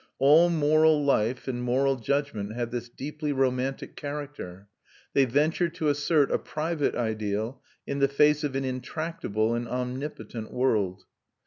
All moral life and moral judgment have this deeply romantic character; they venture to assert a private ideal in the face of an intractable and omnipotent world.